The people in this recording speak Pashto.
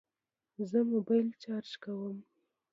زه موبایل چارج کوم